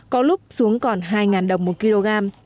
có lúc xuống còn hai ngàn đồng một kg